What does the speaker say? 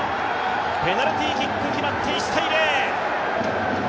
ペナルティーキックが決まって１−０。